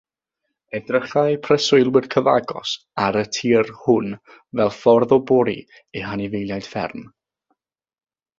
Edrychai preswylwyr cyfagos ar y tir hwn fel ffordd o bori eu hanifeiliaid fferm.